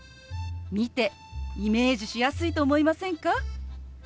見てイメージしやすいと思いませんか？